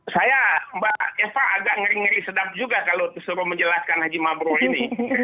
saya mbak eva agak ngeri ngeri sedap juga kalau disuruh menjelaskan haji mabrur ini